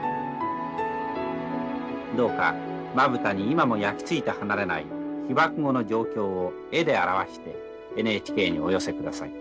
どうかまぶたに今も焼き付いて離れない被爆後の状況を絵で表してＮＨＫにお寄せ下さい。